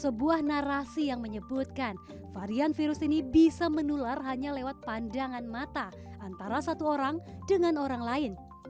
sebuah narasi yang menyebutkan varian virus ini bisa menular hanya lewat pandangan mata antara satu orang dengan orang lain